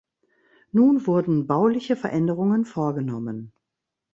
Nun wurden bauliche Veränderungen vorgenommen.